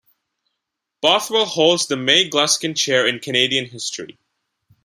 Bothwell holds the May Gluskin Chair in Canadian History.